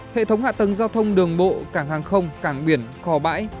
hệ thống hạ tầng giao thông đường bộ cảng hàng không cảng biển khò bãi